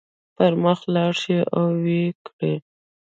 پر مخ لاړ شئ او ويې کړئ.